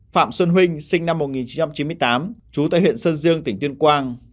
phạm xuân huynh sinh năm một nghìn chín trăm chín mươi tám trú tại huyện sơn dương tỉnh tuyên quang